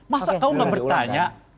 masa kau gak bertanya